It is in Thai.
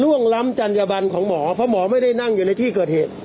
ล้ำจัญญบันของหมอเพราะหมอไม่ได้นั่งอยู่ในที่เกิดเหตุ